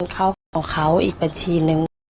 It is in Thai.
เข้าของเขาอีกบัญชีนึง